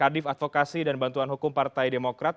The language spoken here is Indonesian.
kadif advokasi dan bantuan hukum partai demokrat